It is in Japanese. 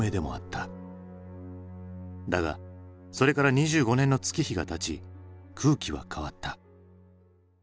だがそれから２５年の月日がたち空気は変わった。